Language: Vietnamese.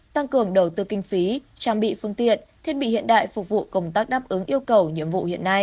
tăng cường đầu tư kinh phí trang bị phương tiện thiết bị hiện đại phục vụ công tác đáp ứng yêu cầu nhiệm vụ hiện nay